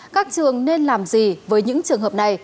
các trường nên làm gì với những trường hợp này